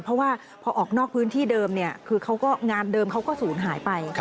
เพราะว่าพอออกนอกพื้นที่เดิมงานเดิมเขาก็สูญหายไป